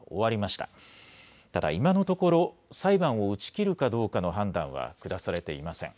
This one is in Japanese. ただ今のところ裁判を打ち切るかどうかの判断は下されていません。